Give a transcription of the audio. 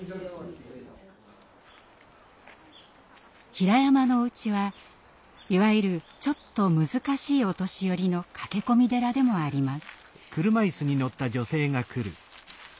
ひらやまのお家はいわゆる「ちょっと難しいお年寄り」の駆け込み寺でもあります。